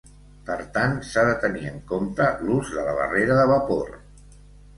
Per tant, s'ha de tenir en compte l'ús de la barrera de vapor.